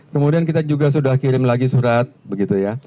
kemudian kita juga sudah kirim lagi surat begitu ya